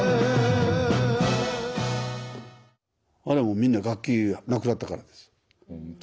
あれはもうみんな楽器がなくなったからです。